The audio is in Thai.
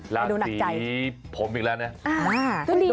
ราศีผมอีกแล้วเนี่ย